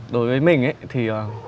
đối với mình thì